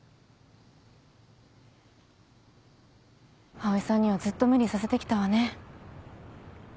葵さんにはずっと無理させて来たわね。